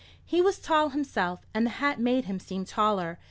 He was tall himself, and the hat made him seem taller.